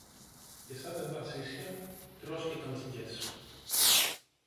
Και σαν δεν πας ίσια, τρως και καμτσικιές